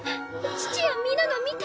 父や皆が見て。